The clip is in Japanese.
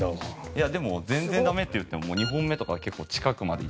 いやでも「全然ダメ」って言っても２本目とかは結構近くまで。